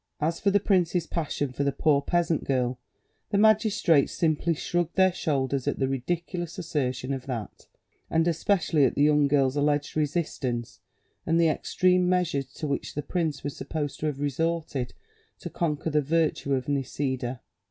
As for the prince's passion for the poor peasant girl, the magistrates simply shrugged their shoulders at the ridiculous assertion of that, and especially at the young girl's alleged resistance and the extreme measures to which the prince was supposed to have resorted to conquer the virtue of Nisida.